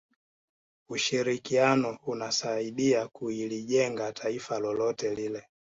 ushirikiano unasaidia kulijenga taifa lolote lile